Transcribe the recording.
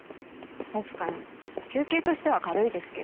確かに求刑としては軽いですけど。